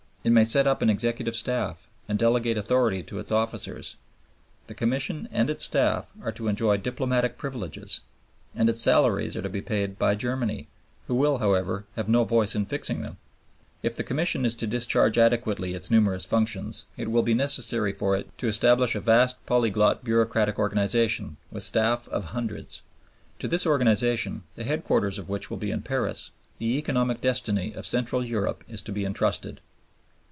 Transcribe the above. It may set up an executive staff and delegate authority to its officers. The Commission and its staff are to enjoy diplomatic privileges, and its salaries are to be paid by Germany, who will, however, have no voice in fixing them, If the Commission is to discharge adequately its numerous functions, it will be necessary for it to establish a vast polyglot bureaucratic organization, with a staff of hundreds. To this organization, the headquarters of which will be in Paris, the economic destiny of Central Europe is to be entrusted.